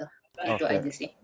itu aja sih